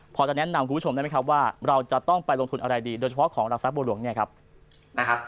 พอจะแนะนำคุณผู้ชมได้ไหมครับว่าเราจะต้องไปลงทุนอะไรดีโดยเฉพาะของหลักทรัพย์บัวหลวงเนี่ยครับนะฮะ